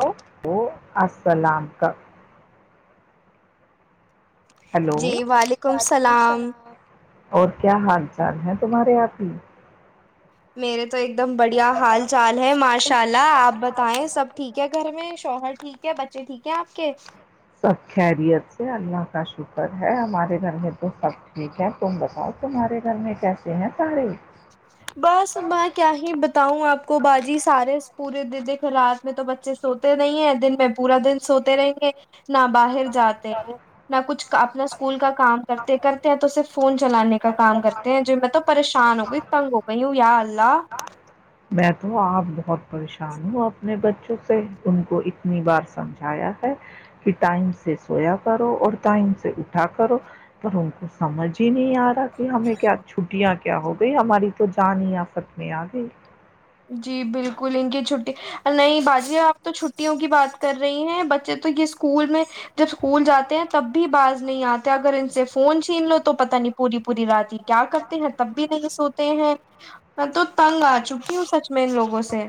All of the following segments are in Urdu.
او او السلام کا ہلو جی وعلیکم السلام اور کیا حال چال ہے تمہارے آپ ہی میرے تو ایک دم بڑھیا حال چال ہے ماشاء اللہ آپ بتائیں سب ٹھیک ہے گھر میں شوہر ٹھیک ہے بچے ٹھیک ہے آپ کے سب خیریت سے اللہ کا شکر ہے ہمارے گھر میں تو سب ٹھیک ہے تم بتاؤ تمہارے گھر میں کیسے ہیں ساڑے بس میں کیا ہی بتاؤں آپ کو باجی سارے پورے دن دیکھو رات میں تو بچے سوتے نہیں ہیں دن میں پورا دن سوتے رہیں گے نہ باہر جاتے ہیں نہ کچھ اپنا اسکول کا کام کرتے کرتے ہیں تو صرف فون چلانے کا کام کرتے ہیں جو میں توب پریشان ہو گئی تنگگ نو اللہ میں تو آپ بہت پریشان ہوں اپنے بچوں سے ان کو اتنی بار سمجھایا ہے کہ ٹائم سے سویا کرو اور ٹائم سے اٹھا کرو پر ان کو سمجھ ہی نہیں آ رہا کہ ہمیں کیا چھٹیاں کیا ہو گئی ہماری تو جانیافت میں آ گئی جی بالکل ان کی چھٹی نہیں باجی آپ تو چھٹیوں کی بات کر رہی ہیں بچے تو یہ اسکول میں جب اسکول جاتے ہیں تب بھی باز نہیں آتے اگر ان سے فون چھین لو تو پتا نہیں پوری پوری رات ہی کیا کرتے ہیں تب بھی نہیں سوتے ہیں میں تو تنگ آ چکی ہوں سچ میں ان لوگوں سے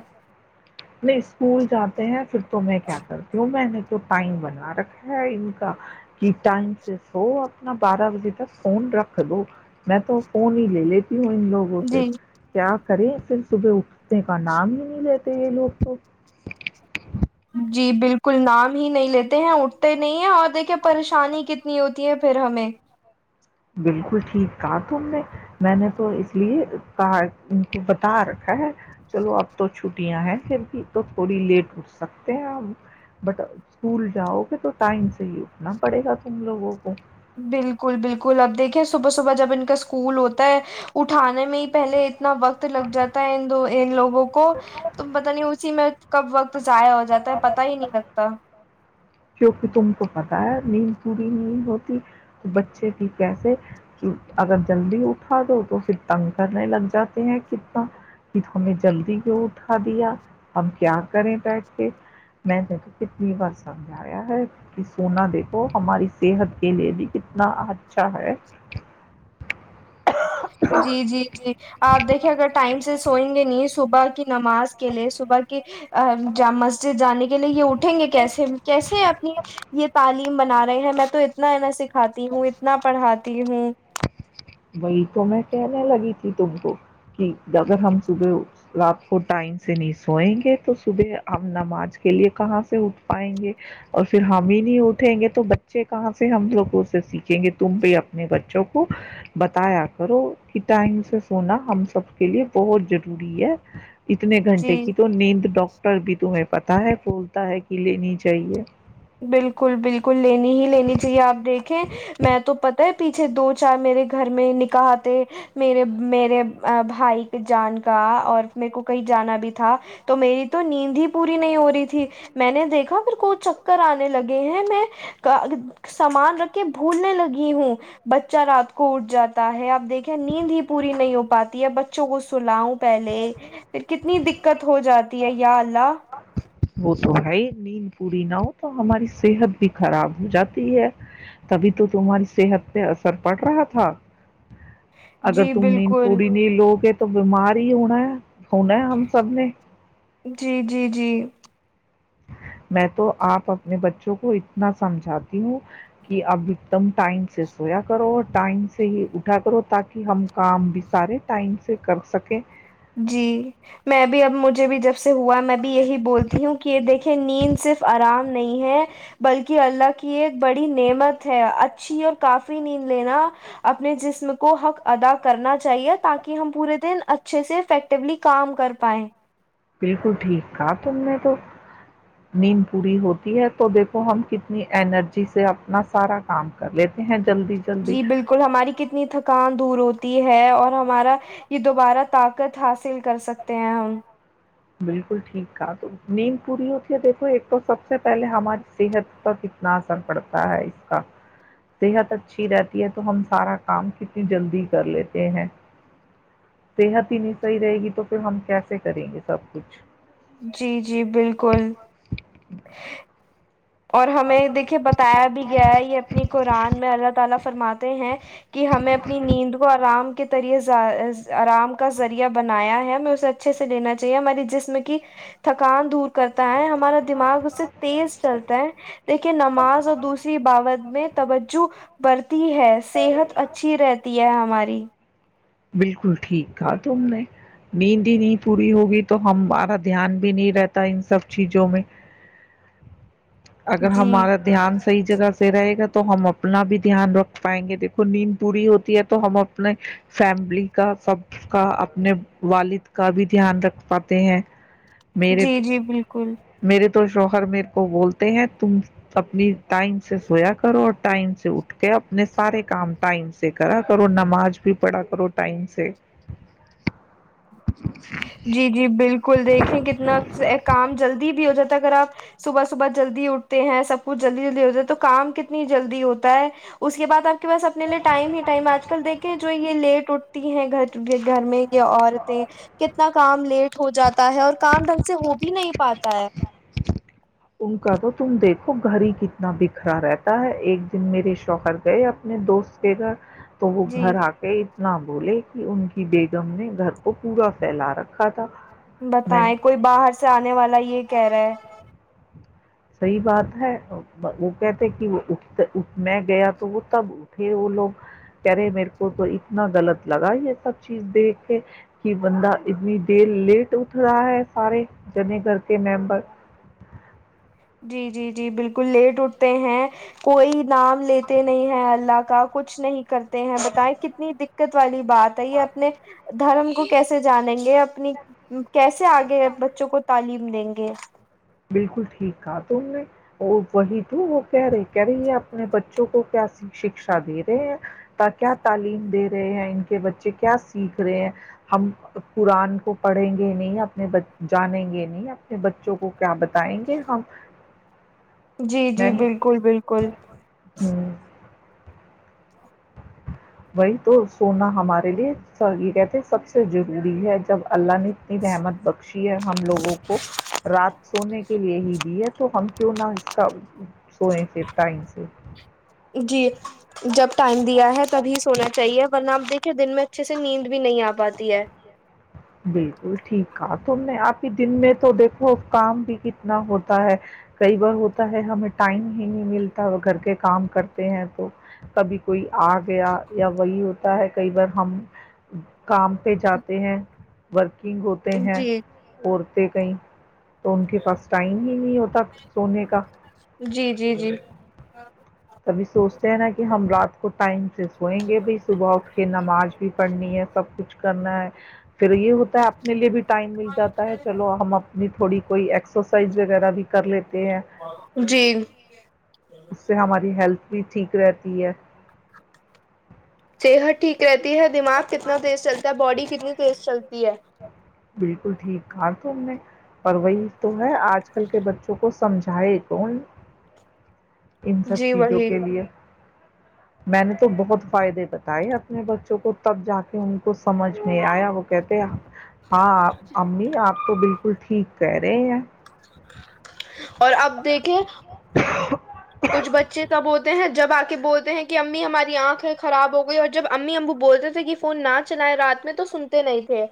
اسکول جاتے ہیں پھر تو میں کیا کرتی ہوں میں تو ٹائم بنا رکھا ہے ان کا کہ ٹائم سے سو اپنا بارہ بجے تک فون رکھ دو میں تو فون ہی لے لیتی ہوں ان لوگوں سے جی کیا کریں پھر صبح اٹھنے کا نام ہی نہیں لیتے یہ لوگ تو [unintelligible] جی بالکل نام ہی نہیں لیتے ہیں اٹھتے نہیں ہیں اور دیکھے پریشانی کتنی ہوتی ہے پھر ہمیں بالکل ٹھیک کہا تم نے میں نے تو اس لیے کہا ان کو بتا رکھا ہے چلو اب تو چھٹیاں ہیں پھر بھی تو تھوڑی لیٹ اٹھ سکتے ہیں آ بٹ اسکول جاؤ گے تو ٹائم سے ہی اٹھنا پڑے گا تم لوگوں کو بالکل بالکل اب دیکھیے صبح صبح جب ان کا اسکول ہوتا ہے اٹھانے میں ہی پہلے اتنا وقت لگ جاتا ہے دو ان لوگوں کو تم پت نہیں اسی میں کب وقت تو جضاع ہو جاتا ہے پتا ہی نہیں لگتا کتا [unintelligible] کیکہ تم کو پتا ہے نیند پوری نیند ہوتی تو بچے بھی کیسے اگر جلدی اٹھا دو تو پھر تنگ کرنے لگ جاتے ہیں کتنا کہ ت نے جلدی کیوں اٹھا دیا ہمب کیا کریں بیٹھ کے میں نے تو کتنی بار سھ ہے کہ سونا دیکھو ہماری صحت کے لیے بھی کتنا اچھا ہے جی جی جی آپ دیکھیے اگر ٹائم سے سوئیں گے نہیں صبح کی نماز کے لیے صبح کے جامس جانے کے لیے یہ اٹھیں گے کیسے کیسے آپ یہ تعلیم بنا رہے ہیں میں تو اتنا انیں سکھاتی ہوں اتنا پڑھاتی ہوں وہی تو میں کہنے لگی تھی تم کو کہ اگر ہم صبح رات کو ٹائم سے نہیں سوئیں گے تو صبح ہم نماز کے لیے کہاں سے اٹھ پائیں گے اور پھر ہم ہی نہیں اٹھیں گے تو بچے کہاں سے ہم لوگوں سے سیکھیں گے تم بھی اپنے بچوں کو بتایا کرو کہ ٹائم سے سونا ہم سب کے لیے بہت ضروری ہے اتنے گھنٹے جی کی تو نیند ڈاکٹر بھی تمہیں پتا ہے بولتا ہے کہ لینی چاہیے بالکل بالکل بکل لینی ہی لینی چاہیے آپ دیکھیں میں تو پتا ہے پیچھے دو چار میرے گھر میں نکاح تھ میرے میرے بھائی کے جان کا اور میرے کو کہیں جانا بھی تھا تو میری تو نیند ہی پوری نہیں ہو رہی تھی میں نے دیکھا پھر کو کر آنے لگے ہیں میں سامان رکھ کے بھولنے لگی ہوں بچہ رات کو اٹھ جاتا ہے اپ دیکھے نیند ہی پوری نہیں ہو پاتی ہے بچوں کو سلاؤں پہلے پھر کتنی دقت ہو جاتی ہے یا اللہ وہ تو ہے نیند پوری نہ ہو تو ہماری صحت بھی خراب ہو جاتی ہے تبھی تو تمہاری صحت پہ اثر پڑ رہا تھا اگر جی تم نیند بالکل پوڑی نہیں لو گے تو بیمار ہی ہونا ہے ہونا ہے ہم سب نے جی جی جی میں تو آپ اپنے بچوں کو اتنا سمجھاتی ہوں کہ اب ایک دم ٹائم سے سویا کرو اور ٹائم سے ہی اٹھا کرو تاکہ ہم کام بھی سارے ٹائم سے کر سکیں جی میں بھی اب مجھے بھی جب سے ہوا میں بھی یہی بولتی ہوں کہ یہ دیکھیں نیند صرف آرام نہیں ہے بلکہ اللہ کی ایک بڑی نعمت ہے اچھی اور کافی نیند لینا اپنے جسم کو حق ادا کرنا چاہیے تاکہ ہم پورے دن اچھے سے افیکٹیولی کام کر پائائے بالکل ٹھیک تھا تم نے تو نیند پوری ہوتی ہے تو دیکھو ہم کتنی ارجی سے اپنا سارا کام کر لیتے ہیں جلدی جلدی جی بالکل ہماری کتنی تھکان دور ہوتی ہے اور ہمارا یہ دوبارہ طاقت حاصل کر سکتے ہیں ہم بالکل ٹھیک تھا تو نیند پوری ہوتی ہے دیکھو ایک تو سب سے پہلے ہماری صحت پر کتنا اثر پڑتا ہے اس کا صحت اچھی رہتی ہے تو ہم سارا کام کتنی جلدی کر لیتے ہیں صحت ہی نہیں صحیح رہے گی تو پھر ہم کیسے کریں گے سب کچھ جی جی بالکل [inaudible] طری آرام کا ذریعہ بنایا ہے ہمیں اسے اچھے سے لینا چاہیے ہمارے جسم کی تھکان دور کرتا ہے ہمارا دماغ اس سے تیز چتے ہیں دیکھیے نماز اور دوسری باوت میں توجہ بڑھتی ہے صحت اچھی رہتی ہے ہماری بالکل ٹھیک کہ تم نے نیند ہی نہیں پوری ہوگی تو ہم بارہ دھیان بھی نہیں رہتا ان سب چیزوں میں اگر جی ہمارا دھیان صحی جگہ سے رہے گا تو ہم اپنا بھی دھیان رکھ پائیں گے دیکھو نیند پوری ہوتی ہے تو ہم اپنے فیملی کا سب کا اپنے والد کا بھی دھیان رکھ پاتے ہیں میرے جی جی بالکل میرے تو شوہر میر کو بولتے ہیں تم اپنی ٹائم سے سویا کرو اور ٹائم سے اٹھ کے اپنے سارے کام ٹائم سے کرا کرو نماز بھی پڑھا کرو ٹائم سے جی جی بالکل دیکھیں کتنا کام جلدی بھی ہو جاتا ہے اگر آپ صبح صبح جلدی اٹھتے ہیں سب کچھ جلدی جلدی ہو جاتا ہے تو کام کتنی جلدی ہوتا ہے اس کے بعد آپ کے پاس اپنے لیے ٹائم ہی ٹائم آج کل دیکھیں جو یہ لیٹ اٹھتی ہے گھر گھر میں یہیا عورتیں کام لیٹ ہو جاتا ہے اور کام ڈھنگ سے ہو بھی نہیں پاتا چار [unintelligible] ان کا تو تم دیکھو گھر ہی کتنا بکھرا رہتا ہے ایک دن میرے شوہر گئے اپنے دوست کے گھر تو وہ جی گھر آ کے نہ بولے کہ ان کی بیگم نے گھر کو پورا پھیلا رکھا تھا میں نے بتائیں کوئی باہر سے آنے والا یہ کہہ رہا ہے سحی بات ہے وہ کہتے کہ وہ اٹھ میں گیا تو وہ تب اٹھے وہ لوگ کہہ رہے میرے کو تو اتنا غلط لگا یہ سب چیز دیکھ کے کہ بندہ اتنی دیر لیٹ اٹھ رہا ہے سارے جنے گھر کے ممبر جی جی جی بالکل لیٹ اٹھتے ہیں کوئی نام لیتے نہیں ہے اللہ کا کچھ نہیں کرتے ہیں بتائے کتنی دق کت والی بات آئے اپنے دھرم کو کیسے جانیں گے اپنی کیسے آگے بچوں کو تعلیم دیں گے بالکل ٹھیک کہا تو ان نے وہ وہی تو وہ کہہ رہے کہہ رہی ہے اپنے بچوں کو کیا شکشا دے رہے ہیں کیا کیا تعلیم دے رہے ہیں ان کے بچے کیا سیکھ رہے ہیں ہم قرآن کو پڑھیں گے نہیں اپنے جانیں گے نہیں اپنے بچوں کو کیا با بتائیں گے ہم جی جی میں نے بالکل بالکل ہوں وہی تو سونا ہمارے لیے سارے کہتے سب سے ضروری ہے جب اللہ نے اتنی رحمت بخشی ہے ہم لوگوں کو رات سونے کے لیے ہی دی ہے تو ہم کیوں نہ اس کا سوئے پھر ٹائم سے جی جب ٹائم دیا ہے تبھی سونا چاہیے ورنہ دیکھیے دن میں اچھے سے نیند بھی نہیں آ پاتی ہے بالکل ٹھیک کہ تم نے آپ کے دن میں تو دیکھو کام بھی کتنا ہوتا ہے کئی بار ہوتا ہے ہمیں ٹائم ہی نہیں ملتا گھر کے کام کرتے ہیں تو کبھی کوئی آ گیا یا وہی ہوتا ہے کئی بار ہم کام پہ جاتے ہیں ورک کنگ ہوتے ہیں جی اور تھے کئی تو ان کے پاس ٹائم ہی نہیں ہوتا تک جی جی جی ہاں تبھی سوچتے ہیں نا کہ ہم رات کو ٹائم سے سوئیں گے بھائی صبح اٹ کے نماز بھی پڑھنی ہے سب کچھ کرنا ہے پھر یہ ہوتا ہے اپنے لیے بھی ٹائم مل جاتا ہے چلو ہم اپنی تھوڑی کوئی ایکسرسائز وغیرہ بھی کر لیتے ہیں جی اس سے ہمارے بھی ٹھیک رہتی ہے یہ ہٹ ٹھیک رہتی ہے دماغ کتنا تیز چلتا ہے باڈی کتنی تیز چلتی ہے بالکل ٹھیک کہا تم نے پر وہی تو ہے آج کل کے بچوں کو سمجھائے کون ان سب جی چیزوں وہی کے لے میں نے تو بہت فائدے بتائے اپنے بچوں کو تب جا کے ان کو سمجھ میں آیا وہ کہتے ہاںپ امی آپ کو بالکلٹھیک کی کرے آ [unintelligible] [unintelligible] اور اب دیکھے کچھ بچے تب ہوتے ہیں جب آ بولتے ہیں کہ امی ہماری آنکھیں خراب ہو گئی اور جب امی امبو بولتے تھے کہ فون نہ چلائے رات میں تو سنتے نہیں تھے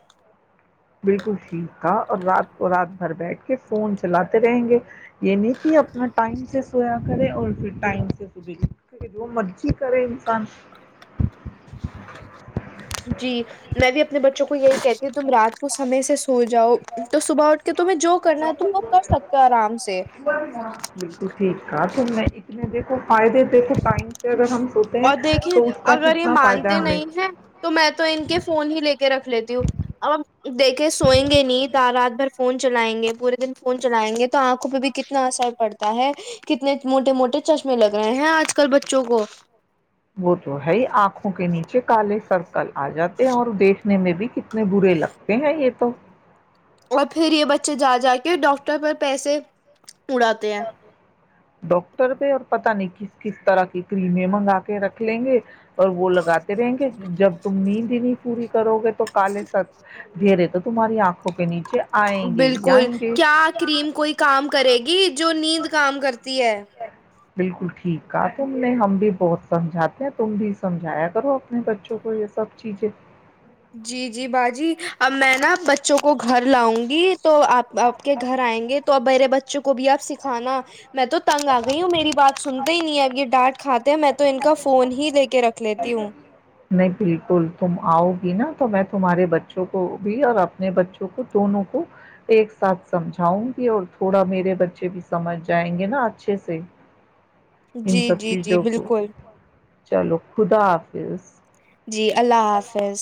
بالکل ٹھیک تھا اور رات کو رات بھر بیٹھ کے فون چلاتے رہیں گے یہ نہیں کہ اپنا ٹائم سے سویا کرے اور پھر ٹائم سے صبحے جو مرضی کرے انسان [inaudible] جی میں بھی اپنے بچوں کو یہی کہتی ہ تم رات کو سمے سے سو جاؤ تو صبح اٹ کے تمہیں جو کرنا ہے تم وہ کر سکتے ہو آرام سے بالکل ٹھیک کہا تم نے اتنے دیکھو فائدے دی تھ ٹائم پہ اگر ہم سوتے ہیں اور دیکھیں تو اس کا اگر یہ کتنا فائدہ ہے مانتے ہمیں نہیں ہیں تو میں تو ان کے فون ہی لے کے رکھتے لیتی ہوں ابب دیکھے سوئیں گے نہیں رات بھر فون چلائیں گے پورے دن فون چلائیں گے تو آنکھوں پہ بھی کتنا اثر پڑتا ہے کتنے موٹے موٹے چشمے لگ رہے ہیں آج کل بچوں کو وہ تو ہے ہی آنکھوں کے نیچے کالے سرکل آ جاتے اور دیکھنے میں بھی کتنے برے لگتے ہیں یہ تو اور پھر یہ بچے [unintelligible] اچھے جا جا کے ڈاکٹر پر پیسے اڑاات ہیں ڈاکٹر بھیہ اور پتا نہیں کس کس طرح کی کریمیں منگا کے رکھ لیں گے اور وہ لگاتے رہیں گے جب تم نیند نہیں پوری کرو گے تو کالے س ڈھیرے تو تمہاری آنکھوں کے نیچے آئیں گے ہی بالکل آئیں گے کیا کریم کوئی کام کرے گی جو جو نیند کام کرتی ہے بالکل ٹھیک کہ تم نے ہم بھی بہت سمجھاتے ہیں تم بھی سمجھایا کرو اپنے بچوں کو یہ سب چیزیں جی جی باجی اب میں نا بچوں کو کو گھر لاؤں گی تو آپ آپ کے گھر آئیں گے تو ا بیر بچوں [unintelligible] کو بھی آپ سکھانا میں تو تنگ آ گئی ہوں میری بات سنتے ہی نہیں ہے اب یہ ڈانٹ کھاتے ہیں میں تو ان کا فون ہی لے کے رکھ لیتی ہوں نہیں بالکل تم آؤ گی نا تو میں تمہارے بچوں کو بھی اور اپنے بچوں کو دونوں کو ایک ساتھ سمجھاؤں گی اور تھوڑا میرے بچ اچھے بھی سمجھ جائیں گے نا اچھے سے ان جی سب جی جی چیزوں کو بالکل چلو خدا پ جی اللہ حافظ